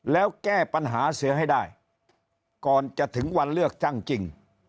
แล้วแก้ปัญหาเสือให้ได้ก่อนจะถึงวันเลือกตั้งจริง